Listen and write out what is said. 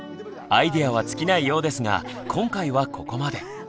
アイデアは尽きないようですが今回はここまで。